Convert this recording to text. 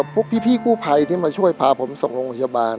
พวกพี่กู้ภัยที่มาช่วยพาผมส่งโรงพยาบาล